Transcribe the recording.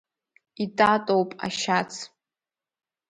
Итатоуп ашьац.